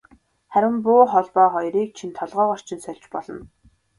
Харин буу холбоо хоёрыг чинь толгойгоор чинь сольж болно.